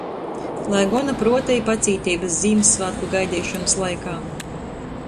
Lai gona pruota i pacīteibys Zīmyssvātku gaideišonys laikā!